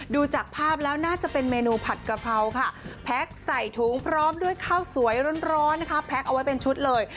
ดูจากภาพแล้วน่าจะเป็นเมนูผัดกะเพราค่ะแพ็คใส่ถุงพร้อมด้วยข้าวสวยร้อนนะคะแพ็คเอาไว้เป็นชุดเลย